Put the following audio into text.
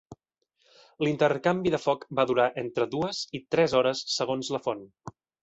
L'intercanvi de foc va durar entre dues i tres hores segons la font.